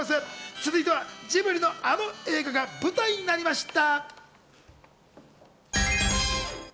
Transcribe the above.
続いてはジブリのあの映画が舞台になりました。